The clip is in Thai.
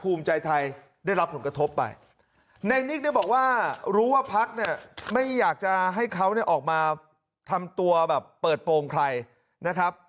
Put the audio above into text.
ภูมิใจไทยได้รับผลกระทบไปในนิกเนี่ยบอกว่ารู้ว่าพักเนี่ยไม่อยากจะให้เขาเนี่ยออกมาทำตัวแบบเปิดโปรงใครนะครับ